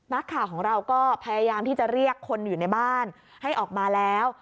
นักข่าวของเราก็พยายามที่จะเรียกคนอยู่ในบ้านให้ออกมาแล้ว